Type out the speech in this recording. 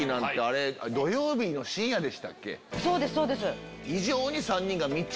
そうですそうです。